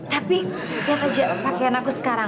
tapi lihat aja pakaian aku sekarang